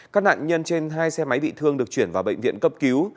các nạn nhân trên hai xe máy bị thương được chuyển vào bệnh viện cấp cứu